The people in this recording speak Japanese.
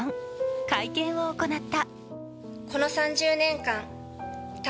会見を行った。